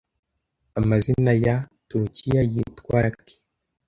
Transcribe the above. Amazina ya Turukiya yitwa Raki